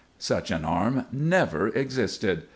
Such an arm never existed.